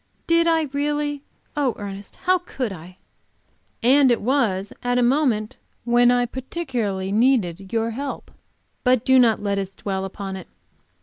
"Did I, really? Oh, Ernest, how could I?" "And it was at a moment when I particularly needed your help. But do not let us dwell upon it.